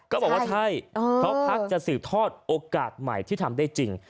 บอกว่าใช่เพราะพักจะสืบทอดโอกาสใหม่ที่ทำได้จริง